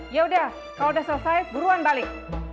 yaudah kalau udah selesai buruan balik